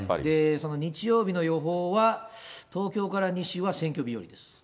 その日曜日の予報は、東京から西は選挙日和です。